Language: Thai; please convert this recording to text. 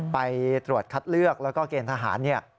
ไปตรวจคัดเลือกแล้วก็เกณฑ์ทหาร